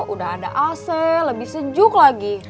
udah ada ac lebih sejuk lagi